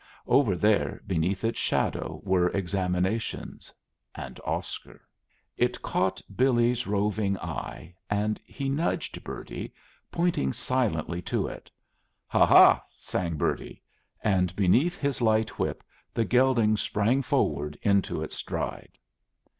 Over there beneath its shadow were examinations and Oscar. It caught Billy's roving eye, and he nudged Bertie, pointing silently to it. "Ha, ha!" sang Bertie. And beneath his light whip the gelding sprang forward into its stride.